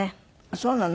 そうなの？